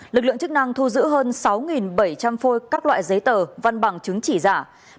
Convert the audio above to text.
lực lượng chức năng thu giữ hơn sáu bảy trăm linh phôi các loại giấy tờ văn bằng chứng chỉ giả